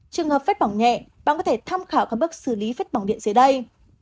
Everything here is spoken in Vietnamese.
trường hợp phết bỏng nhẹ bạn có thể tham khảo các bước xử lý phết bỏng điện dưới đây